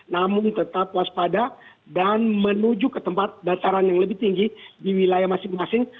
namun tetap waspada dan menuju ke tempat dasaran yang lebih tinggi di wilayah masing masing